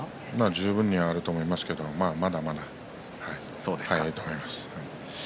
十分にあると思いますけれどもまだまだ早いと思います。